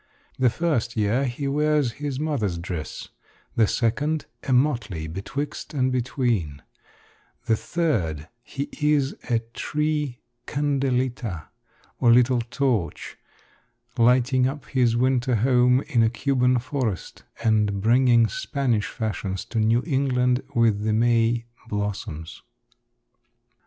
The first year he wears his mother's dress; the second, a motley betwixt and between; the third, he is a tree "candelita," or little torch, lighting up his winter home in a Cuban forest, and bringing Spanish fashions to New England with the May blossoms.